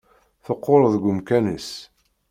Teqqur deg umkan-is.